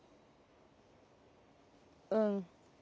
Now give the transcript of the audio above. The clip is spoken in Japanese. うん。